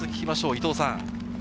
伊藤さん。